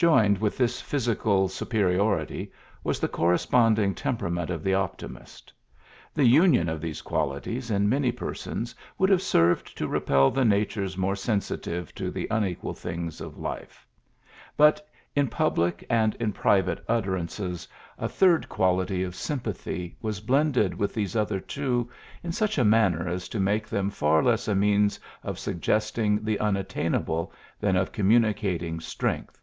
'' Joined with this physical superi ority was the corresponding temperament of the optimist. The union of these quali ties in many persons would have served to repel the natures more sensitive to the unequal things of life. But in public PHILLIPS BKOOKS 113 aud ill private utterances a third quality of sympathy was blended with these other two in such a manner as to make them far less a means of suggesting the unattainable than of communicating strength.